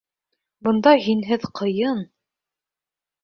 Бында һинһеҙ ҡыйын...